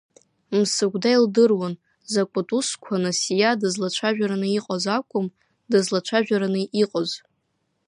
Мсыгәда илдыруан, закәытә усқәаз Насиа дызлацәажәараны иҟаз акәым, дызлацәажәараны иҟаз.